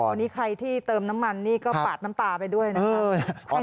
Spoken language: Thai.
วันนี้ใครที่เติมน้ำมันนี่ก็ปาดน้ำตาไปด้วยนะครับ